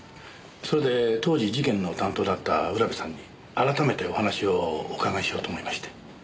それで当時事件の担当だった浦部さんに改めてお話をお伺いしようと思いまして。